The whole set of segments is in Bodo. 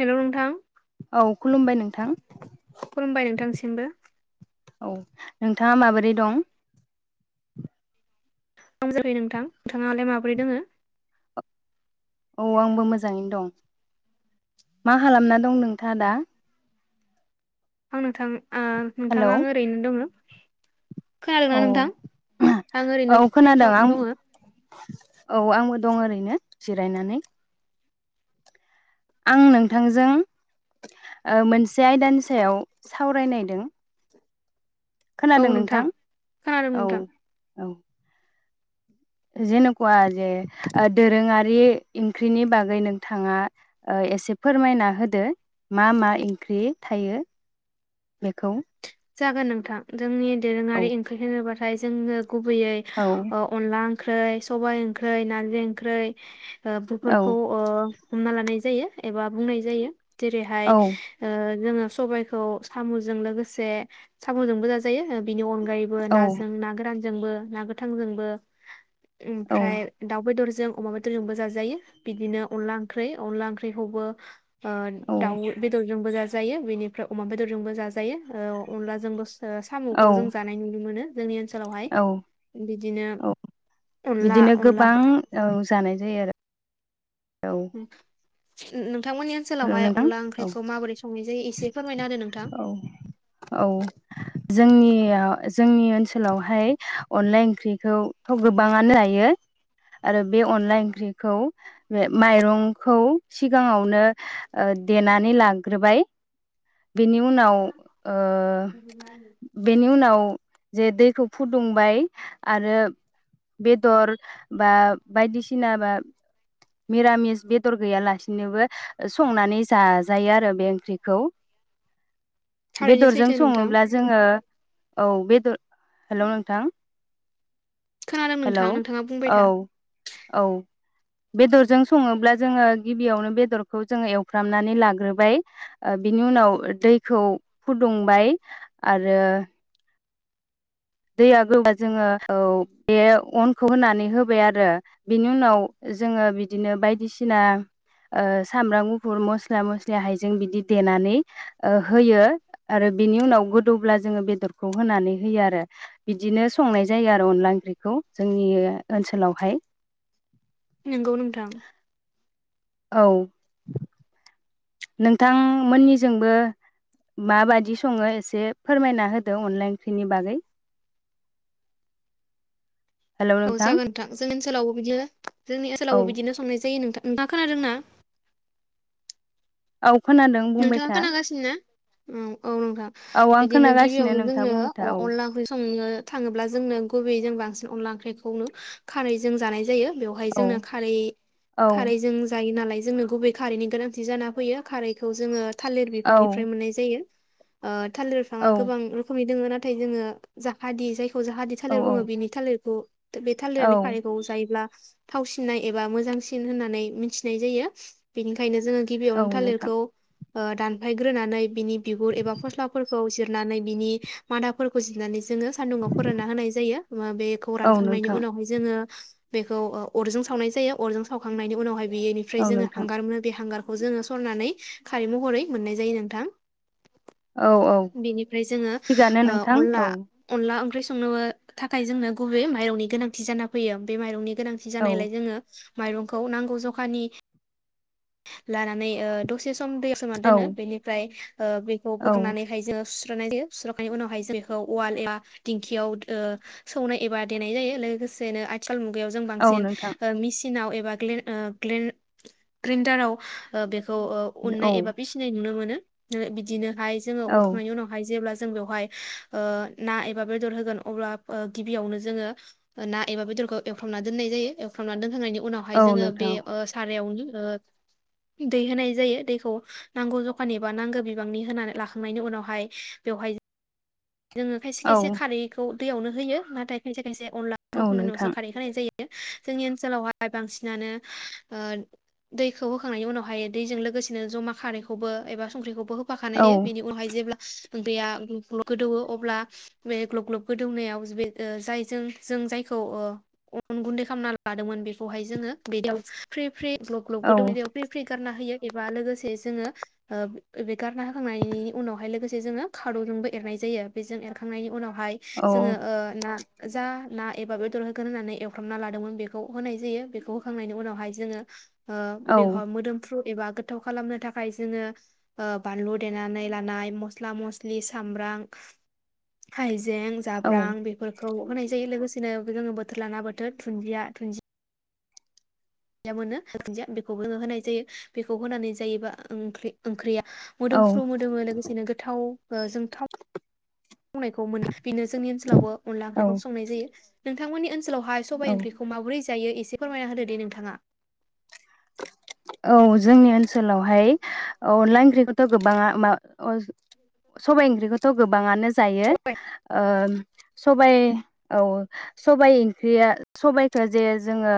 हेलौ नोंथां औ खुलुमबाय नोंथां खुलुमबाय नोंथांसिमबो औ नोंथाङा माबोरै दं? माम जाखै नोंथां नोंथाङालाय माबोरै दों? औ आंबो मोजाङैनो दं मा खालामना दं नोंथाङा दा? आं नोथां आ हेलौ नोंथाङा आं ओरैनो दङ? औ खोनादोंना नोंथां आं औ ओरैनो खोनादों फ्रिफाव आं दङ। औ आंबो दं ओरैनो जिरायनानै आं नोंथांजों ओ मोनसे आयदानि सायाव सावरायनायदों। खोनादों नोंथां खोनादों औ नोंथां औ जेनेख्वा जे ओ दोरोङारि ओंख्रिनि बागै नोंथाङा एसे फोरमायना होदो मा मा ओंख्रि थायो बेखौ। जागोन नोंथां जोंनि औ दोरोङारि ओंख्रि होनोब्ला ओमफ्राय जोङो गुबैयै औ ओ अनला ओंख्रै, सबाय ओंख्रै, नारजि ओंख्रै ओ औ बुरफोरखौ ओ हमना लानाय जायो। एबा बुंनाय जायो। जेरैहाय औ ओ जोंङो सबायखौ सामजों लोगोसे सामजोंबो जाजायो। बेनि अनगायैबो औ नाजों ना गोरान जोंबो ना गोथांजोंबो। औ ओमफ्राय दाउ बेदर जों अमा बेदरजोंबो जाजायो बिदिनो अनला ओंख्रि अनला ओंख्रिखौबो। ओ औ दाउ बेदरजोंबो ज। जायो बेनिफ्राय अमा बेदरजोंबो जाजायो ओ अनलाजोंबो सामखौ जों औ जानाय नुनो मोनो। जोंनि ओनसोलावहाय औ बिदिनो औ अनला अनला ज आरो। औ उम [unintelligible] नोंथांमोननि हेलौ ओनसोलावहाय नोंथां अनला औ ओंख्रिखौ माबोरै संनाय जायो एसे फोरमायना होदो नोंथां? औ औ जोंनियाव जोंनि ओनसोलावहाय अनला ओंख्रिखौथ' गोबाङानो जायो आरो बे अनला ओंख्रिखौ बे माइरंखौ सिगाङावनो देनानै लाग्रोबाय। बेनि उनाव ओ बेनि उनाव जे दैखौ फुदुंबाय आरो बेदर बा बायदिसिना बा मिरामिस बेदर गैयालासेनोबो संनानै जाजायो आरो बे ओंख्रिखौ थारैनो बेदरजों सैथो नोंथां सङोब्ला जोङो औ बेदर हेल नोंथां खोनादों हेलौ नोंथां नोंथाङा बुंबाय औ था औ बेदरजों सङोब्ला जोङो गिबियावनो बेदरखौ जोङो एवफ्रामनानै लाग्रोबाय बिनि उनाव दैखौ फुदुंबाय आरो। दैया गोदौब्ला जोङो औ बे अनखौ होनानै होबाय आरो बिनि उनाव जोङो बिदिनो बायदिसिना ओ सामब्राम गुफुर मस्ला मस्लि हायजें बिदि देनानै ओ होयो आरो बिनि उनाव गोदौब्ला जोङो बेदरखौ होनानै होयो आरो। बिदिनो संनाय जायो आरो अनला ओंख्रिखौ जोंनि ओनसोलावहाय नंगौ नोंथां। औ नोंथांमोननिजोंबो माबादि सङो एसे फोरमायना होदो अनला ओंख्रि नि बागै औ जागोन नोंथां जोंनि ओनसोलावबो बिदिनो जोंनि औ ओनसोलावबो बिदिनो संनाय जायो नोंथां। नोंथांआ खोनादोंना? औ खोनादों बुंबाय था। उम्म औ नोंथां औ आं बिदिनो खोनागासिनो गिबियावनो नोंथाङा जोङो बुंबाय था औ अ-अनला ओंख्रि संनो थाङोब्ला जोंनो गुबैयै जों बांसिन अनला ओंख्रिखौनो खारै जों जानाय जायो। बेवहाय जोंना औ खारै औ खारैजों जायो नालाय। जोंनो गुबै खारैनि गोनांथि जान फैयो खारै खौ जोङो। थालिर बिफांनिफ्राय औ मोननाय जायो ओ थालिर बिफाङा औ गोबां रोखोमनि दङ [unintelligible] नाथाय जोङो जाफादेयो जाय जाहाथे औ थालिर बुङो बिनि थालिरखौ बे थालिरनि औ खारैखौ जायोब्ला थावसिननाय एबा मोजांसिन होननानै मिथिनाय जायो बेनिखायनो जोङो औ गिबियावनो नोंथां थालिरखौ। ओ दानफायग्रोनानै बिनि बिगुर एबा फस्लाफोरखौ जिरनानै बिनि मादाफोरखौ जिरनानै जोङो सान्दुुङाव फोरानना होनाय जायो। मा बेखौ औ रानखांनायनि नोंथां उनावहाय जोङो। बेखौ अरजों सावनाय जायो अरजों सावखांनायनि उनावाय बेैनिफ्राय औ जोङो नोंथां हांगार मोनो बे हांगार खौ जोङो सरनानै खारै महरै मोननाय जायो नोंथां औ औ बेनिफ्राय जोङो थिगानो ओ नोंथां अनला औ अनला ओंख्रि स संनोबो थाखाय जोंनो गुबै माइरंनि गोनांथि जाना फैयो बे माइरंनि गोनांथि औ जानायलाय जोङो। माइरंखौ नांगौ जखानि लानानै ओ दसे सम दै सोमना औ दोनो बेनिफ्राय ओ बेखौ औ बोखांनानैहाय जोङो सुस्रनाय जायो सुस्रखनायनि उनावहाय जों बेखौ उवाल एबा दिंखियाव ओ सौनाय एबा देनाय जायो लोगोसेनो आथि उम बेयाव जों औ बांसिन नोंथां मेचिनाव एबा ग्ल ओ ग्लेन ग्रिन्टाराव बे खौ ओ औ उननाय एबा फिसिनाय नुनो मोनो। बिदिनो फाय जोङो औ उनखांनायनि उनावहाय जेब्ला जों बेयावहाय ना एबा बेदर होगोन अब्ला गिबियावनो जोङो ना एबा बेदरखौ एवफ्रामनानै दोननाय जायो एवफ्रानानै दोखांनायनि उनावहाय औ जोङो बे नोंथां सारायावनो दै होनाय जायो दैखौ नांगौ जखानि एबा नांगौ बिबांनि होना लाखांनायनि उनावहाय बेवहाय जोङो खायसे औ खायसे खारैखौ दैयावनो होयो नाथाय खायसे खायसे अनलाखौ औ होखांनायनि उनावसो नोंथां खारै होनाय जायो जोंनि ओनसोलावहाय बांसिनानो दैखौ होखांनायनि उनावहाय दैजों लोगोसेनो जमा खारैखौबो एबा संख्रिखौबो होफाखानाय औ जायो औ बेनि उनहाय जेब्ला [unintelligible] गोदौवो अब्ला बे ग्लब ग्लब गोदौनायाव बे जायजों जों जायखौ अन गुन्दै खालामना लादोंमोन बेखौहाय जोङो बेयाव फ्रि फ्रि ग्लब ग्लब गोदौनायाव फ्रि फ्रि गारना होयो। एबा लोगोसे जोङो ओ बे गारना होखांनायनि उनावहाय लोगोसे जोङो खाद'जोंबो ए एरनाय जायो बेजों एरखांनायनि उनाव बहाय औ जोङो ओ ना जा ना एबा बेदर होगोन होननानै एवफ्रामना लादोंमोन बेखौ होनाय जायो बेखौ होखांनायनि उनावहाय जोङो ओ बेवहाय मोदोमफ्रु एबा गोथाव खालामनो थाखाय जोङो बानलु देनानै लानाय मस्ला मस्लि सामब्राम हाइजे जें जाब्रां बेफोरखौ होनाय जायो लोगोसे बिदिनो लाना बोथोर दुन्दिया दुन्जिया दुन्दिया मोनो दुन्दिया बेखौबो होनाय जायो बेखौ होनानै जायोबा ओंख्रि ओंख्रिया औ मोदोमफ्रु मोदोमो लोगोसेनो गोथाव ओ जों थाव संनायखौ मोनला बेनो जोंनि ओनसोलावबो अनला औ ओंख्रिखौ संनाय जायो। नोंथांमोननि ओन नोलावाय सबाय ओंख्रिखौ मोब्रै सो जायो एसे फोरमायना होदो दे नोंथाङा। औ जोंनि ओनसोलावहाय अनला ओंख्रिखौथ' गोबाङा मा सबाय ओंख्रिखौथ' गोबाङानो जायो सबाइ ओ सबाइ औ सबाइ ओंख्रिया सबाइखौ जे जोङो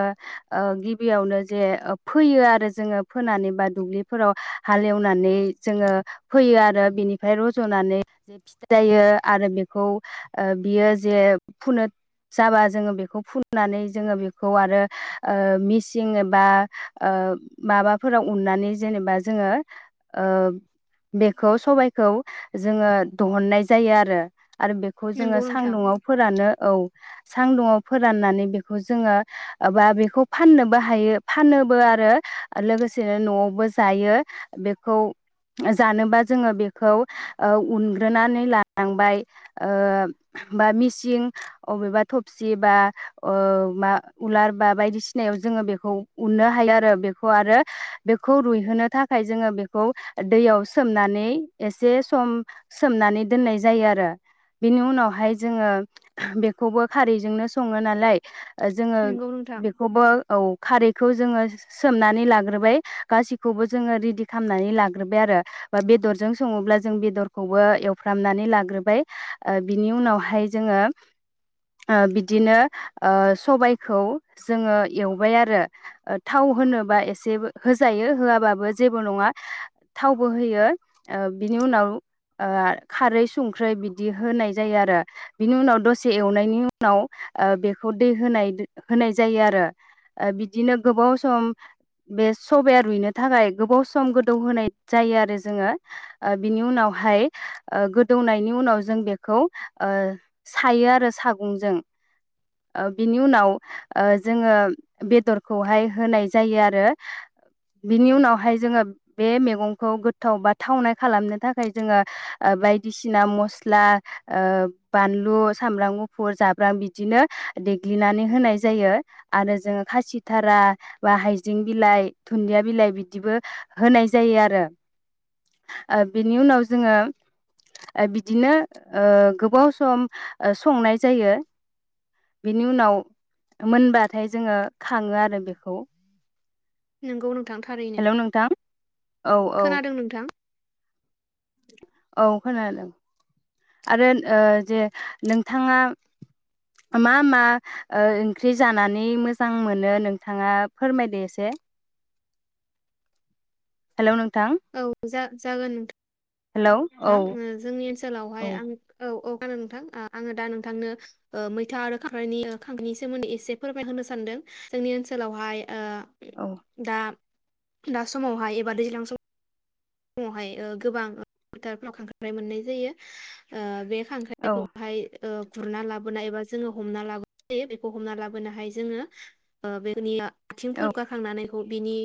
ओ गिबियावनो जे ओ फोयो आरो जोङो फोनानै बा दुब्लिफोराव हालेवनानै जोङो फोयो आरो बिनिफ्राय रज'नानै जे फिथाय जायो आरो बेखौ ओ बियो जे फुनो जाबा जोङो बेखौ फुननानै जोङो बेखौ आरो ओ मिसिं एबा ओ माबाफोराव उननानै जेनेबा जोङो ओ बेखौ सबायखौ जोङो दहुननाय जायो आरो आरो बेखौ जोङो नोंगौ नोंथां सान्दुङआव फोरानो औ सां दुङआव फोराननानै बेखौ जोङो बा बेखौ फाननोबो हायो फानो बो आरो लोगोसेनो नआवबो जायो बेखौ जानोबा जोंङो बेखौ उनग्रोनानै लानांबाय ओ बा मेसिन अबेबा थबसि बा ओ उलार बा बायदिसिनायाव जोंयो बेखौ उनो हायो आरो बेखौ आरो बेखौ रुइहोनो थाखाय जोङो बेखौ दैयाव सोमनानै एसे सम सोमनानै दोननाय जायो आरो बेनि उनावहाय जोङो बेखौबो खारैजोंनो सङो नालाय जोङो नोंगौ नोंथां बेखौबो औ खारै खौ जोङो सो-सोमनानै लाग्रोबाय गासिखौबो जोङो रेडि खालामनानै लाग्रोबाय आरो बा बेदरजों सङोब्ला जों बेदरखौबो एवफ्रामनानै लाग्रोबाय ओ बिनि उनावहाय जोङो ओ बिदिनो ओ सबायखौ जोङो एवबाय आरो थाव होनोबा एसे होजायो होआबाबो जेबो नङा थावबो होयो बिनि उनाव खारै संख्रै बिदि होनाय जायो आरो बिनि उनाव दसे एवनायनि उनाव बेखौ दै होनाय होनाय जायो आरो बिदिनो गोबाव सम बे सबाया रुइनो थाखाय गोबाव सम गोदौ होनोनाय जायो आरो जोङो ओ बिनि उनावहाय ओ गोदौनायनि उनाव जों बेखौ ओ सायो आरो सागंजों ओ बिनि उनाव जोङो बेदर खौहाय होनाय जायो आरो बिनि उनावहाय जोंङो बे मेगंखौ गोथाव बा थावनाय खालामनो थाखाय जोंङो ओ बायदिसिना मस्ला ओ बानलु सामब्राम गुफुर जाब्रां बिदिनो देग्लिनानै होनाय जायो आरो जोङो खासि थारा बा हाइजें बिलाइ, दुन्दिया बिलाइ बिदिबो होनाय जायो आरो ओ बिनि उनाव जोङो ओ बिदिनो ओ गोबाव सम संनाय जायो बेनि उनाव मोनबाथाय जोङो। खाङो आरो बेखौ। नोंगौ नोंथां थारैनो हेलौ नोंथां औ औ खोनादों नोंथां? औ खोनादों आरो ओ जे नोंथांङा मा मा ओ ओंख्रि जानानै मोजां मोनो नोंथांङा फोरमायदो एसे। हेलौ नों थां। औ जा जागोन। औ नोंथां ओ जोंनि ओनसो औ नोंथां ओ आङो दा नोंथांनो ओ मैथा आरो खांख्राइनि खांख्रिाइनि सोमोन्दै एसे फोरमायहोनो सानदों जोंनि ओनसोलावहाय। ओ औ दा। दा समावहाय एबा दैज्लां सम फुंङावहाय ओ गोबां फोथारफ्राव खांख्राइ मोननाय जायो ओ बे औ खांख्राइखौहाय। ओ गुरना लाबोनाय एबा जोंङो हमना लाबोनाय जायो बेखौ हमना लाबोना हाय जोंङो ओ बे औ आथिंफोर गारखांनानै। [unintelligible] बिनि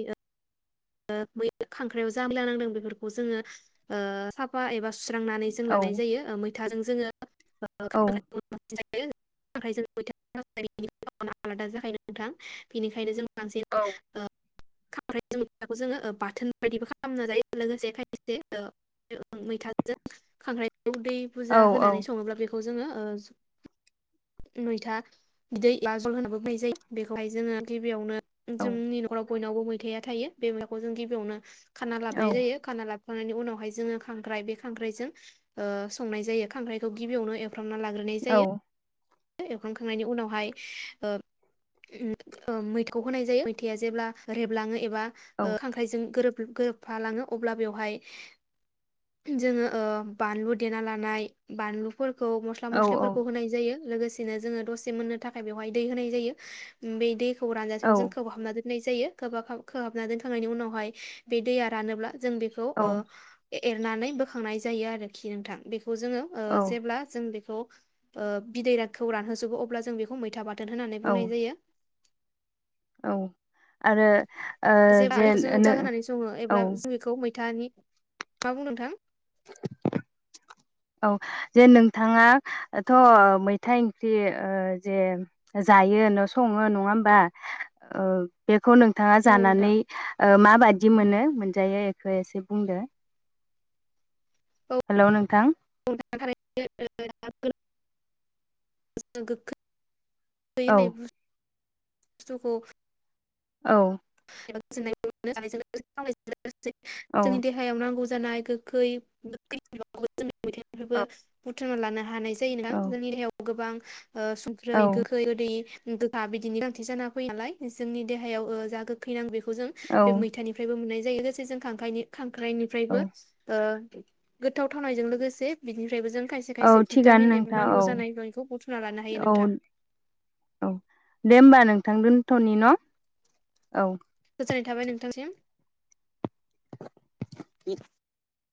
ओ बै खांख्राइयाव जा मैल नांदों बेफोरखौ जोङो ओ साफा एबा। सुस्रांनानै जों औ लानाय जायो ओ मै थाजों जोङो। [unintelligible] औ [unintelligible] आलादा जाखायो नोंथां बेनिखायनो जों। मानसि औ [unintelligible] ओ [unintelligible] थाखौ जोङो ओ बाथोन बायदिबो खालामना जायो लोगोसे खायसे ओ मैथाजों खांख्राइ दै औ बुजा होनानै सङोब्ला बेखौ। जोङो ओ मैथा बिदै एबा जल होनाबो बुंनाय जायो बेखौहाय जोङो गिबियावनो। औ जोंनि नखराव बयनावबो मैथाया थायो। बे [inaudible] जों गिबियावनो खाना औ लाबोनाय जायो खाना लाबो खांनायनि उनावहाय जोङो खांख्राइ बे खांख्राइजों ओ संनाय जायो खांख्राइखौ गिबियावनो एव फ्रामना लाग्रोनाय औ जायो। एवखांखांनायनि उनावहाय ओ उम ओ मैथखौ होनाय जायो मैथाया जेब्ला रेबलाङो एबा ओ खांख्रायजों गोरोब गोरोबफालाङो अब्ला बेवहाय जोङो ओ बानलु देना लानाय बानलु फोर खौ मस्ला औ मस्लिफोरखौ होनाय जायो। लोगोसेनो जोङो दसे मोननो थाखाय बेवहाय दै होनाय जायो बे दैख खौ रानजासिम औ जों [unintelligible] दोन नाय जायो खोबाखाग खोहाब ना दोनखांनायनि उनावहाय बे दैया रानोब्ला जों बेखौ ओ एरनानै बोखांनाय जायो आरोखि नोंथां बेखौ बे बेखौ जोङो ओ जेब्ला जों बे खौ ओ बिदैराखौ रानहोजोबो अब्ला जों बेखौ मैथा बा थोन होननानै औ बुंनाय जायो। औ आरो ओ जेब्ला जेन जोङो ओ बुरजा नो होनानै सङो अब्ला औ। [unintelligible] मा बुंदों नोंथां? औ जे नोंथाङाथ' मैथा इंख्रि ओ जे जायो न सङो नङा होमबा? ओ बे खौ नोंथाङा औ नोंथां जानानै ओ माबायदि मोनो मोनजायो एखौ एसे बुंदो हेल' नोंथां [unintelligible] दै औ होननाय बसथुखौ औ [unintelligible] औ जोंनि देहायाव नांगौ जानाय गोै मैथानिफ्रायबो औ थुनो लानो हानाय जायो नथां औ जोंनि देहायाव गोबां ओ संख्रै औ गोखै ओदै गोखा बिदिनि गोनांथि जाना फैयो नालाय जोंनि देहायाव जा गो फैनांग बे जों बे मैथानिफ्रायबो मोननाय जायो लोगोसे जों खांखाइनो खां औ ख्राइनिफ्रायबो ओ गोथाव थावनायजों लोगोसे बिनिफ्रायबो जों खायसे औ खायसे थिगानो भिटामिन एबा नोंथां नांगौ औ जानाय लयखौ बुथुना लानो हायो औ नोंथां। औ दे होमबा नोंथां दोनथ'नि न' औ। गोजोननाय थाबाय नोंथांसिम [unintelligible]